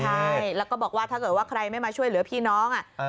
ใช่แล้วก็บอกว่าถ้าเกิดว่าใครไม่มาช่วยเหลือพี่น้อง